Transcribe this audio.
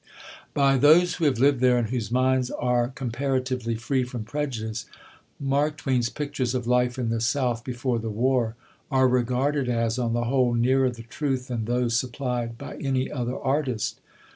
By those who have lived there, and whose minds are comparatively free from prejudice, Mark Twain's pictures of life in the South before the war are regarded as, on the whole, nearer the truth than those supplied by any other artist.